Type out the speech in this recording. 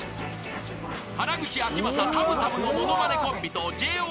［原口あきまさたむたむの物まねコンビとＪＯ